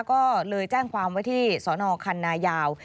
ก็เลยแจ้งความไว้ที่สนคันนายาว